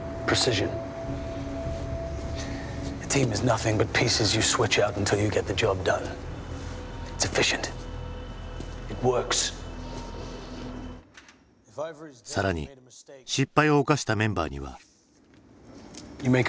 更に失敗を犯したメンバーには。